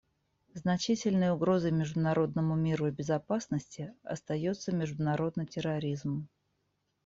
Значительной угрозой международному миру и безопасности остается международный терроризм.